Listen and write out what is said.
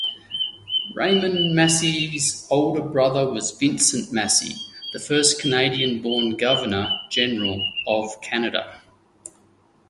Raymond Massey's older brother was Vincent Massey, the first Canadian-born Governor General of Canada.